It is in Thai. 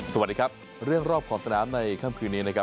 สวัสดีครับเรื่องรอบขอบสนามในค่ำคืนนี้นะครับ